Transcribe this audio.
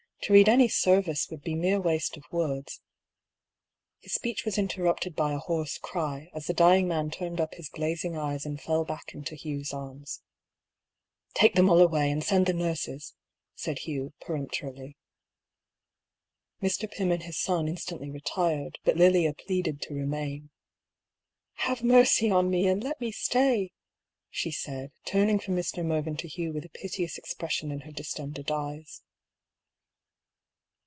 To read any service would be mere waste of words " His speech was interrupted by a hoarse cry, as the dying man turned up his glazing eyes and fell back into Hugh's arms. ^'Take them all away, and send the nurses," said Hugh, peremptorily. Mr. Pym and his son instantly retired, but Lilia pleaded to remain. ^^ Have mercy on me, and let me stay I " she said, turning from Mr. Mervyn to Hugh with a piteous ex pression in her distended eyes.